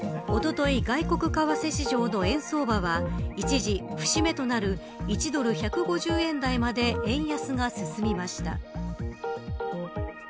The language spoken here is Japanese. おととい外国為替市場の円相場は一時、節目となる１ドル１５０円台まで円安が進みました。